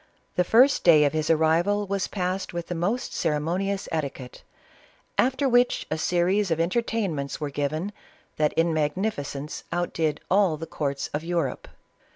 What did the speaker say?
The first day of his arrival was passed with the most ceremonious etiquette, after which a series of en tertainments were given that in magnificence outdid all the courts of Europe.